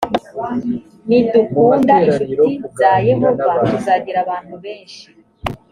nidukunda inshuti za yehova tuzagira abantu benshi